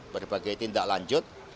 berbagai tindak lanjut